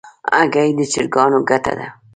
هګۍ د چرګانو ګټه ده.